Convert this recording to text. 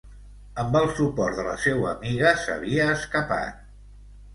Amb el suport de la seua amiga s’havia escapat.